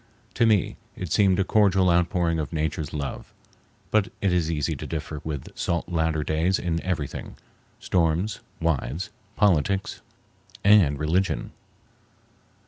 To me it seemed a cordial outpouring of Nature's love; but it is easy to differ with salt Latter Days in everything—storms, wives, politics, and religion.